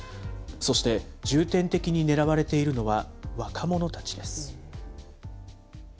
そして、重点的に狙われているのは、若者たちです。